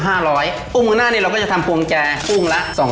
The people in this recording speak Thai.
กุ้งเมืองหน้าเราก็จะทำควงแจกุ้งละ๒๐๐